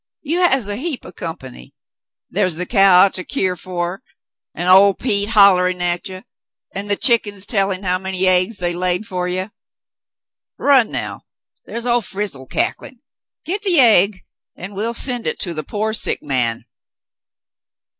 You has a heap o' compan3^ Thar's the cow to keer fer, 'n' ol' Pete hollerin' at ye, an' the chickens tellin' how many aigs they've laid fer ye. Run now. Thar's ol' Frizzle cacklin'. Get the aig, an' we'll send hit to the pore sick man.